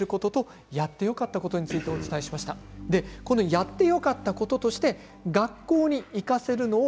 やってよかったこととして学校に行かせるのを